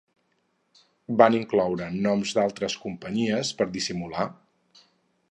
Van incloure noms d'altres companyies per dissimular?